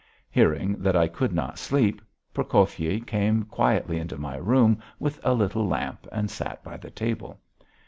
Hearing that I could not sleep Prokofyi came quietly into my room with a little lamp and sat by the table.